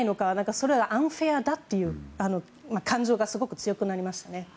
それはアンフェアだという感情がすごく強くなりましたね。